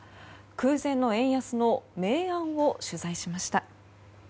空前の円安の明暗を取材しました。